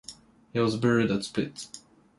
He was buried at Split.